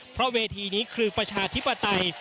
เพราะเวทีนี้คือประชาธิปไตย